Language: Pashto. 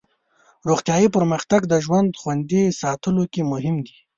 روغتیایي پرمختګ د ژوند خوندي ساتلو کې مهم دی.